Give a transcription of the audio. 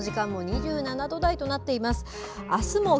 この時間も２７度台となっています。